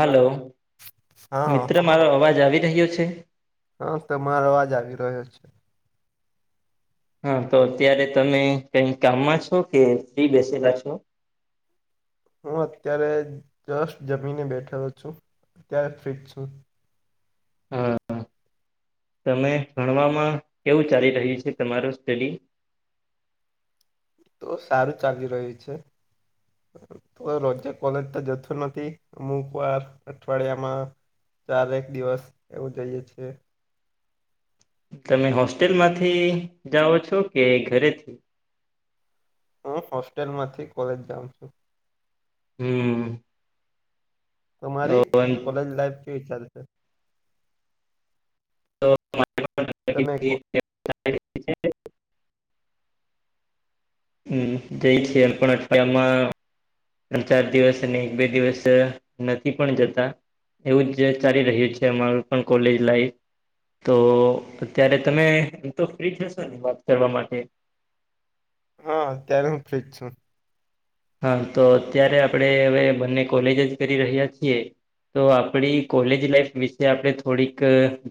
Hello, હા મિત્ર મારો અવાજ આવી રહ્યો છે. હા તમારો અવાજ આવી રહ્યો છે. હા તો અત્યારે તમે કઈક કામમાં છો કે ફ્રી બેસેલા છો. હું અત્યારે જસ્ટ જમીને બેઠેલો છું અત્યારે ફ્રીજ છું. હા તમે ભણવામાં કેવું ચાલી રહ્યું છે તમારું સ્ટડી તો સારું ચાલી રહ્યું છે. તો રોજે કોલેજ તો જતો નથી અમુક વાર અઠવાડિયામાં ચારેક દિવસ એવું જઈએ છીએ. તમે હોસ્ટેલ માંથી જાઓ છો કે ઘરેથી, હું હોસ્ટેલ માંથી કોલેજ જાઉ છું. હમ, હમ તમારી કોલેજ લાઈફ કેવી ચાલે છે? તમે કો [inaudible] હમ્મ, ત ઈ સેલ પણ અઠવાડિયામાં ત્રણ ચાર દિવસ અને એક બે દિવસ નથી પણ જતાં. એવું જ ચાલી રહ્યું છે અમારું પણ કોલેજ લાઈફ. તો અત્યારે તમે એમ તો ફ્રી જ હશોને વાત કરવા માટે? હા અત્યારે હું ફ્રી જ છું. હા તો અત્યારે આપણેે હવે બંને કોલેજ જ કરી રહ્યા છીએ. તો આપણી કોલેજ લાઈફ વિશે આપણે થોડીક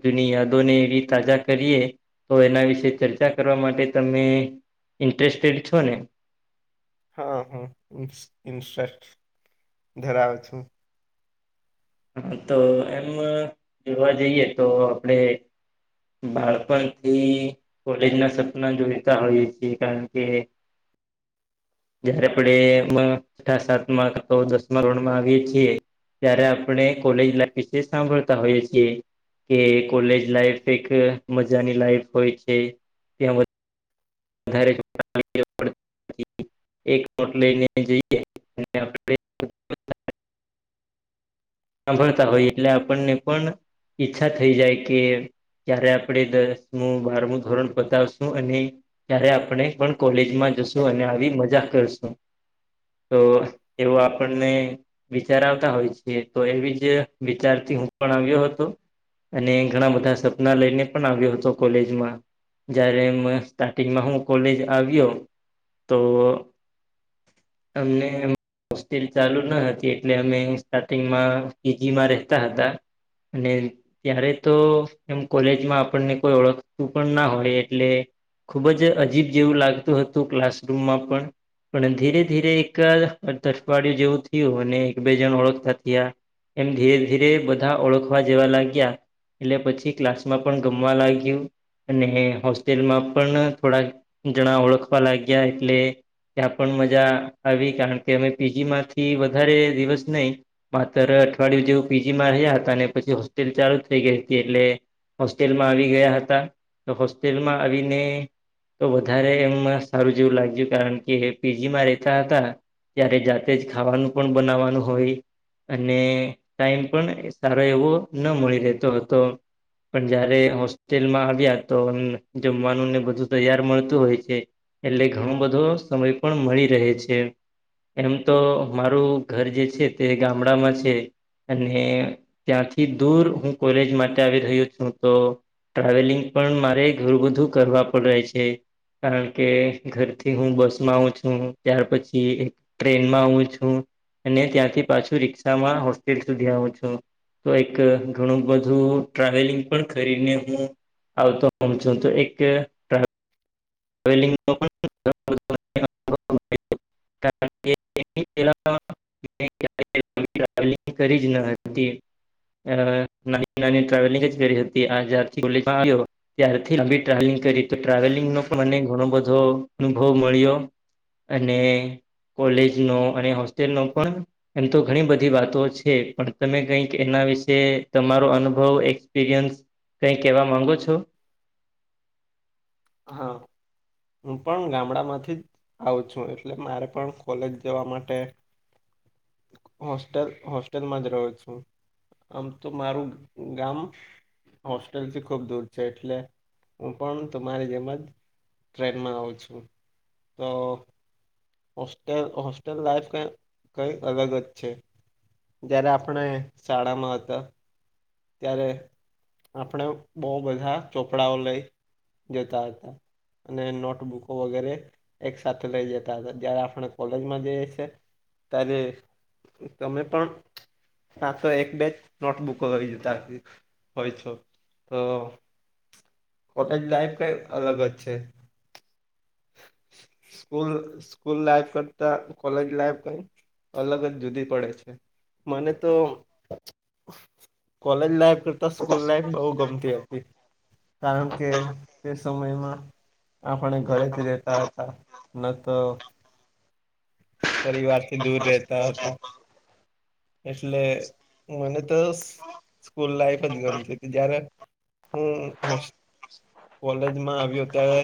જુની યાદોને એવી તાજા કરીએ. તો એના વિશે ચર્ચા કરવા માટે તમે ઈન્ટરેસ્ટેડ છો ને? હા હું ઈ ઈન્સ્ટસ્ટ ધરાવું છું. હા તો એમ જોવા જઈએ તો આપડે બાળપણથી કોલેજના સપનાં જોઈતા હોઈએ છીએ કારણ કે જયારે આપણે એમાં છઠ્ઠા સાતમાં કાતો દસમાં ધોરણમાં આવીએ છીએ. ત્યારે આપણે કોલેજ લાઈફ વિશે સાંભળતાં હોઈએ છીએ. કે કોલેજ લાઈફ એક મજાની લાઈફ હોય છે ત્યાં વ ધારે [inaudible] એક નોટ લઈને જઈએ ને આપણે સાંભળતા હોય એટલે આપણને પણ ઈચ્છા થઈ જાય કે ક્યારે આપણે દસમું, બારમું ધોરણ પતાવશું અને ક્યારે આપણે પણ કોલેજમાં જશું અને આવી મજા કરશું. તો એવા આપણને વિચાર આવતા હોય છે. તો એવી જ વિચારથી હું પણ આવ્યો હતો. અને ઘણાં બધાં સપના લઈને પણ આવ્યો હતો કોલેજમાં. જ્યારે મ સ્ટાર્ટિંગમાં હું કોલેજ આવ્યો તો તમને એમ હોસ્ટેલ ચાલુ ન હતી એટલે અમે ઈન્સ્ટા ટિન્ગમાં પીજીમાં રહેતાં હતાં અને ત્યારે તો એમ કોલેજમાં આપણને કોઈ ઓળખતું પણ ના હોય એટલે ખૂબ જ અજીબ જેવું લાગતું હતું ક્લાસરૂમમાં પણ. પણ એમ ધીરે ધીરે એક તઠવાડિયું જેવું થયું અને એક બે જણ ઓળખતાં ગયાં એમ ધીરે-ધીરે બધાં ઓળખવા જેવા લાગ્યાં. એટલે પછી ક્લાસમાં પણ ગમવા લાગ્યું. અને હે હોસ્ટેલમાં પણ થોડાક જણા ઓળખવા લાગ્યા એટલે ત્યાં પણ મજા આવી કારણ કે અમે પી જી માંથી વધારે દિવસ નહીં માત્ર અઠવાડિયું જેવું પીજીમાં રહ્યા હતાં ને પછી હોસ્ટેલ ચાલુ થઈ ગઈ હતી એટલે હોસ્ટેલમાં આવી ગયાં હતાં તો હોસ્ટેલમાં આવીને તો વધારે એમ સારું જેવું લાગ્યું કારણ કે પી જી માં રહેતા હતાં ત્યારે જાતે જ ખાવાનું પણ બનાવવાનું હોય અને ટાઈમ પણ સારો એવો ન મળી રહેતો હતો. પણ જ્યારે હોસ્ટેલમાં આવ્યા તો જમવાનું ને બધું તૈયાર મળતું હોય છે. એટલે ઘણો બધો સમય પણ મળી રહે છે. એમ તો મારું ઘર જે છે તે ગામડામાં છે. અને ત્યાંથી દૂર હું કોલેજ માટે આવી રહ્યો છું તો ટ્રાવેલિંગ પણ મારે ઘણું બધું કરવા પડે છે. કારણ કે ઘરથી હું બસમાં આવું છું ત્યાર પછી એ ટ્રેનમાં આવું છું અને ત્યાંથી પાછું રિક્ષામાં હોસ્ટેલ સુધી આવું છું. તો એક ઘણું બધું ટ્રાવેલિંગ પણ કરીને હું આવતો હોઉં છું તો એક ટ્રા ટ્રાવેલિંગનો પણ [inaudible] [inaudible] કારણ કે [inaudible] [inaudible] ટ્રાવલિંગ કરી જ ન હતી અહ નાની નાની ટ્રાવેલિંગ જ ફેરી હતી આ ત્યારથી અભી ટ્રાવેલિંગ કરી તો ટ્રાવેલિંગ ન પણ મને ઘણો બધો અનુભવ મળ્યો અને કોલેજ નો અને હોસ્ટેલ નો પણ એમ તો ઘણી બધી વાતો છે પણ તમે કઈક એના વિશે તમારો અનુભવ એક્સપિરિયન્સ કઈ કહેવા માગો છો? હા, હું પણ ગામડા માંથી જ આવું છું એટલે મારે પણ કોલેજ જવા માટે હોસ્ટેલ હોસ્ટેલમાં જ રહ્યો છું. આમ તો મારું ગામ હોસ્ટેલથી ખૂબ દૂર છે એટલે હું પણ તમારી જેમ જ ટ્રેનમાં આવું છું તો હોસ્ટેલ હોસ્ટેલ લાઈફ કઈ કઈ અલગ જ છે. જયારે આપણે શાળા માં હતા ત્યારે આપણે બહુ બધા ચોપડાઓ લઈ જતા હતા અને નોટબુક વગેરે એક સાથે લઈ જતા હતા જારે આપણે કોલેજમાં જઈએ છે ત્યારે તમે પણ સાચો એક બેચ નોટબુકો લઈ ચાથી હોય છો તો કોલેજ લાઈફ કઈ અલગ જ છે. [inaudible] સ્કૂલ સ્કૂલ લાઈફ કરતા કોલેજ લાઈફ કઈ અલગ જ જુદી પડે છે. મને તો કોલેજ લાઈફ કરતા સ્કૂલ લાઈફ બહુ ગમતી હતી કારણ કે તે સમયમાં આપણે ઘરેથી જ રહેતા હતા ન તો પરિવારથી દૂર રહેતા હતા એટલે મને તો સ્કૂલ લાઈફ જ ગમતી જય્યારે હું કોલેજમાં આવ્યો ત્યારે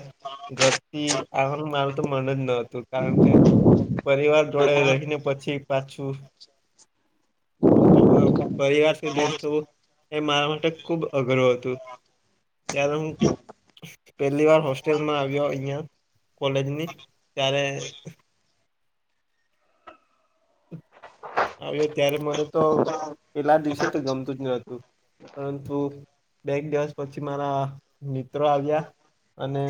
ગરતી આવવાનું મારું તો મન જ ન હતું કારણ કે પરિવાર જોડે રહીને પછી પાછું. પ અ પરિવારથી દૂર થવું એ મારા માટે ખુબ અઘરું હતું ત્યારે હું પેલી વાર હોસ્ટેલમાં આવ્યો અહિયા કોલેજની ત્યારે આવ્યો ત્યારે મને તો પેલા દિવસે તો ગમતું જ નો તું પરંતુ બે દિવસ પછી મારા મિત્રો આવ્યા અને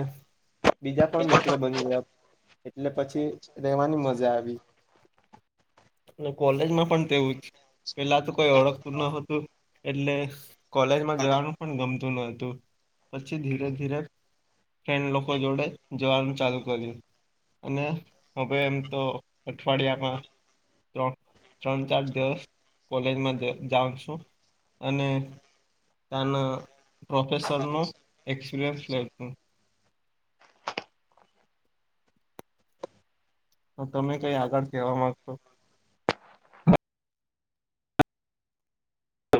બીજા પણ મિત્રો બની ગયા એટલે પછી રેવાની મજા આવી અને કોલેજમાં પણ તેવું જ પેલા તો કોઈ ઓળખતું ન હતું એટલે કોલેજમાં જવાનું પણ ગમતું ન હતું પછી ધીરે ધીરે કે એ લોકો જોડે જવાનું ચાલુ કર્યું અને હવે એમ તો અઠવાડિયામાં ત્રણ ત્રણ ચાર દિવસ કોલેજમાં જ જાઉ છું અને તા ન પ્રોફેસર નુ એક્સપીરયન્સ લે શું તો તમે કઈ આગળ જવા માંગશો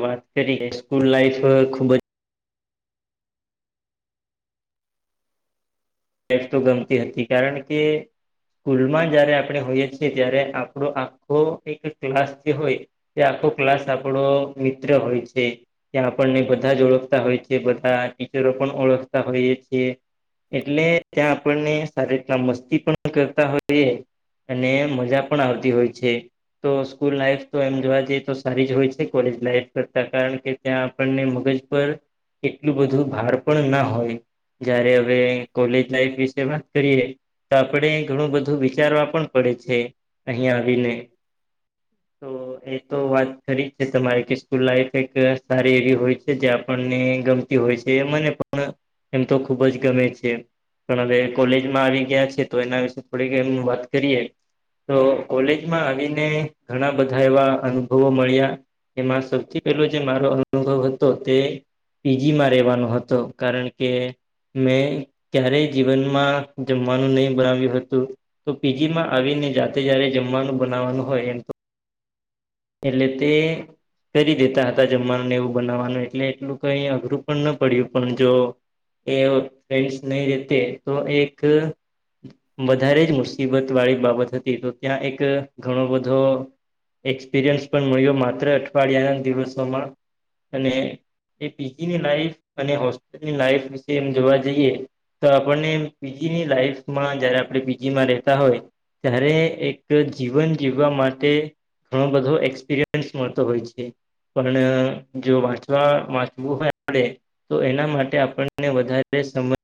વાત કરી સ્કૂલ અ લાઈફ ખુબ જ તે તો ગમતી હતી કારણ કે સ્કૂલમાં જયારે આપણે હોઈએ છીએ ત્યારે આપણો આખો એક ક્લાસ જે હોય તે આખો ક્લાસ આપણો મિત્ર હોય છે. ત્યાં આપણને બધા જ ઓળખતા હોય છે. બધા ટીચરો પણ ઓળખતા હોઈએ છીએ. એટલે ત્યાં આપણને સારી રીતના મસ્તી પણ કરતા હોઈએ. અને મજા પણ આવતી હોય છે. તો સ્કૂલ લાઈફ તો એમ જોવા જઈએ તો સારી જ હોય છે, કોલેજ લાઈફ કરતા. કારણ કે ત્યાં આપણને મગજ પર એટલું બધું ભાર પણ ના હોય. જયારે હવે કોલેજ લાઈફ વિશે વાત કરીએ. તો આપણે ઘણું બધું વિચારવા પણ પડે છે અહીં આવીને. તો એ તો વાત ખરી જ છે તમારે કે સ્કૂલ લાઈફ એક સારી એવી હોય છે. જે આપણને ગમ તી હોય છે. એ મને પણ એમ તો ખુબ જ ગમે છે. પણ હવે કોલેજમાં આવી ગયા છે તો એના વિશે થોડી એમ વાત કરીએ. તો કોલેજમાં આવીને ઘણા બધા એવા અનુભવો મળ્યા. એમાં સૌથી પહેલો જે મારો અનુભવ હતો તે પીજીમાં રહેવાનો હતો. કારણ કે મેં ક્યારેય જીવનમાં જમવાનું નહી બનાવ્યું હતું. તો પીજી માં આવીને જાતે જ્યારે જમવાનું બનાવાનું હોય એમ તો એટલે તે કરી દેતા હતા જમવાનું ને એવું બનાવવાનું એટલે એટલું કઈ અઘરું પણ ન પડ્યું પણ જો એ ફ્રેન્ડસ નહી રહેતે તો એક અ વધારે જ મુસીબત વાળી બાબત હતી, તો ત્યાં એક ઘણો બધો એક્સપિરિયન્સ પણ મળ્યો માત્ર અઠવાડિયાના દિવસોમાં અને એ પીજીની લાઈફ અને હોસ્ટેલની લાઈફ વિશે એમ જોવા જઈએ તો આપણને એમ પીજીની લાઈફમાં જયારે આપણે પીજીમાં રહેેતા હોય. ત્યારે એક જીવન જીવવા માટે ઘણો બધો એક્સપિરિયન્સ મળતો હોય છે. પણ જો વાંચવા વાંચવું હોય આપણે તો એના માટે આપણને વધારે સમય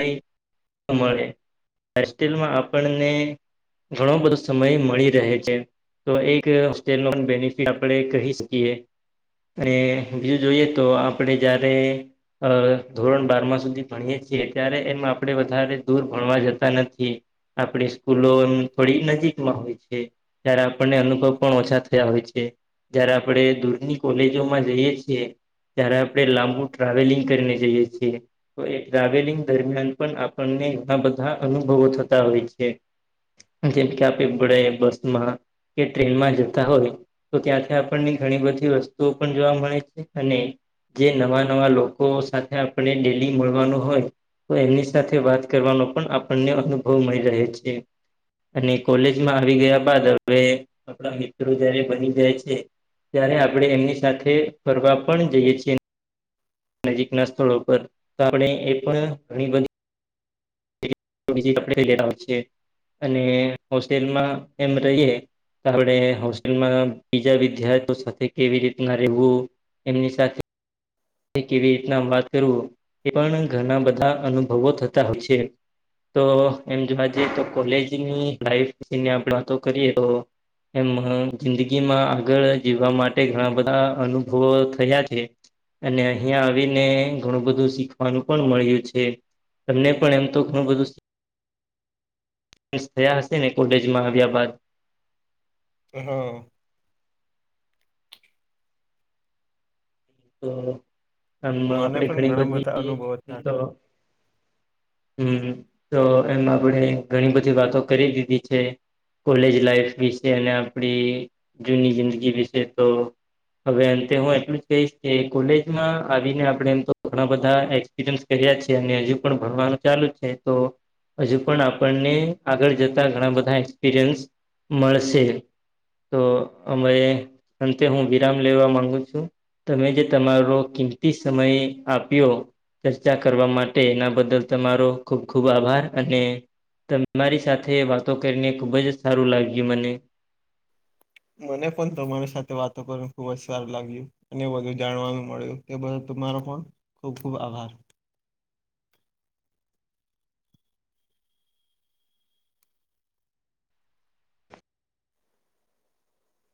નહીં મળે, હોસ્ટેલમાં આપણને ઘણો બધો સમય મળી રહે છે. તો એક હોસ્ટેલ નો બેનિફિટ આપણે કહી શકીએ. અને બીલ જોઈએ તો આપણે જ્યારે અ ધોરણ બારમાં સુધી ભણીએ જ એ ત્યારે એમાં આપડે વધારે દૂર ભણવા જતા નથી. આપડી સ્કૂલો એમ થોડી નજીકમાં હોય છે. ત્યારે આપણને અનુભવ પણ ઓછા થયા હોય છે. જયારે આપણે દૂરની કોલેજોમાં જઈએ છીએ. ત્યારે આપણે લાંબુ ટ્રાવેલિંગ કરીને જઈએ છીએ તો એ ટ્રાવેલિંગ દરમિયાન પણ આપણને ઘણા બધા અનુભવો થતા હોય છે. જેમ કે આપે બડે બસ માં કે ટ્રેનમાં જતા હોય. તો ત્યાંથી આપણને ઘણી બધી વસ્તુઓ પણ જોવા મળે છે અને જે નવા નવા લોકો સાથે આપણે ડેલી મળવાનું હોય તો એમની સાથે વાત કરવાનો પણ આપણને અનુભવ મળી રહે છે. અને કોલેજમાં આવી ગયા બાદ હવે આપણા મિત્રો જયારે બની જાય છે. ત્યારે આપણે એમની સાથે ફરવા પણ જઈએ છીએ. નજીક ના સ્થળો પર તો આપણે એ પણ ઘણી બધી [unintelligible] અને હોસ્ટેલમાં એમ રહીએ આપણે હોસ્ટેલમાં બીજા વિદ્યાર્થીઓ સાથે કેવી રીતના રહેવું એમની સાથે એ કેવી રીતના વાત કરવુ, એ પણ ઘણા બધા અનુભવો થતા હોય છે. તો એમ જોવા જઈએ તો કોલેજની લાઈફ વિશે આપણે વાતો કરીએ તો એમ જિંદગીમાં આગળ જીવવા માટે ઘણા બધા અનુભવો થયા છે. અને અહિયાં આવીને ઘણું બધું શીખવાનું પણ મળ્યું છે, તમને પણ એમ [unintelligible] થયા હશે ને કોલેજમાં આવ્યા બાદ અ હ તો એમ મને આપડે પણ ઘણી ઘણા વખત બધા બીડી અનુભવો થયા પીતો. છે હમ તો એમાં આપણેે ઘણી બધી વાતો કરી દીધી છે. કોલેજ લાઈફ વિશે અને આપણી જૂની જિંદગી વિશે તો હવે અંતે હું એટલું જ કહીશ કોલેજમાં આવીને આપણે એમ તો ઘણા બધા એક્સપિરયન્સ કર્યા છે અને હજુ પણ ભણવાનું ચાલુ છે. તો હજુ પણ આપણને આગળ જતા ઘણા બધા એક્સપિરિયન્સ મળશે, તો અમે અંતે હું વિરામ લેવા માંગુ છું. તમે જે તમારો કિંમતી સમય આપ્યો ચર્ચા કરવા માટે એના બદલ તમારો ખૂબ ખુબ આભાર અને તમારી સાથે વાતો કરીને ખુબ જ સારું લાગ્યું મને. મને પણ તમારી સાથે વાતો કરીને ખુબ જ સારું લાગ્યું અને વધું જાણવાનું મળ્યું તે બદલ તમારો પણ ખુબ ખુબ આભાર.